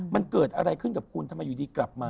มันเกิดอะไรขึ้นกับคุณทำไมอยู่ดีกลับมา